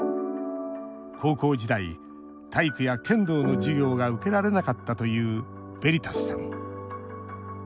高校時代、体育や剣道の授業が受けられなかったというベリタスさん。